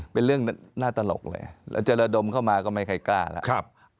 เป็นเรื่องน่าตลกเลยแล้วจะระดมเข้ามาก็ไม่มีใครกล้าแล้ว